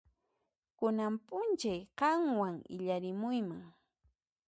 Kunan p'unchay qanwan illarimuyman.